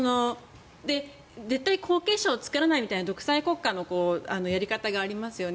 絶対、後継者を作らないみたいな独裁国家のやり方がありますよね。